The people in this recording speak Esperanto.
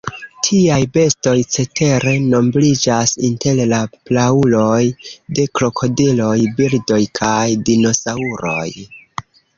Tiaj bestoj cetere nombriĝas inter la prauloj de krokodiloj, birdoj kaj dinosaŭroj.